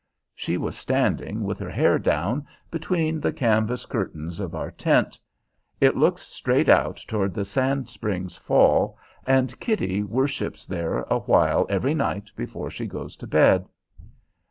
She was standing, with her hair down, between the canvas curtains of our tent. It looks straight out toward the Sand Springs Fall, and Kitty worships there awhile every night before she goes to bed.